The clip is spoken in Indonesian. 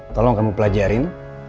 tolong kamu pelajarin